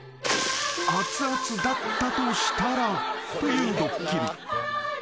［あつあつだったとしたらというドッキリ］